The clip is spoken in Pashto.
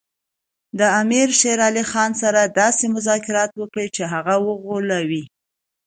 د امیر شېر علي خان سره داسې مذاکرات وکړي چې هغه وغولوي.